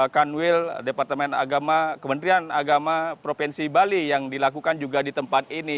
kanwil departemen agama kementerian agama provinsi bali yang dilakukan juga di tempat ini